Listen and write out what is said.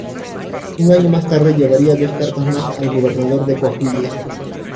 Un año más tarde llevaría dos cartas más al Gobernador de Coahuila.